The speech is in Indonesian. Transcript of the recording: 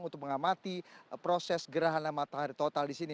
untuk mengamati proses gerhana matahari total di sini